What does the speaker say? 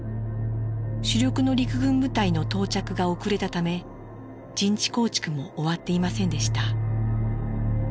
主力の陸軍部隊の到着が遅れたため陣地構築も終わっていませんでした。